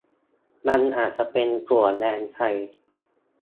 มันอาจจะเป็นถั่วแดงไทย